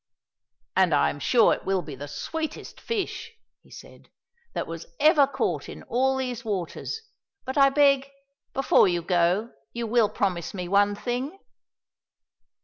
"And I am sure it will be the sweetest fish," he said, "that was ever caught in all these waters. But I beg, before you go, you will promise me one thing."